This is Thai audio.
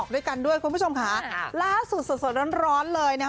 ด้วยกันด้วยคุณผู้ชมค่ะล่าสุดสดสดร้อนร้อนเลยนะคะ